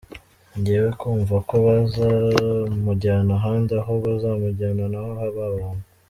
Njyewe kumva ko bazamujyana ahandi aho bazamujyana naho haba abantu.